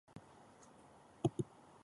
Sobre qui hi havia gran expectació?